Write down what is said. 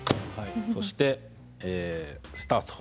そして、スタート。